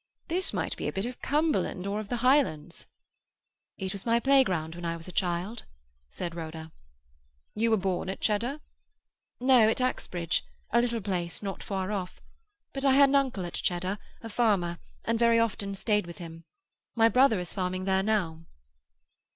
This might be a bit of Cumberland, or of the Highlands." "It was my playground when I was a child," said Rhoda. "You were born at Cheddar?" "No; at Axbridge, a little place not far off. But I had an uncle at Cheddar, a farmer, and very often stayed with him. My brother is farming there now."